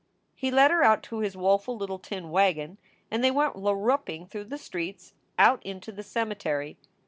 He led her out to his woeful little tin wagon and they went larruping through the streets, out into the cemetery.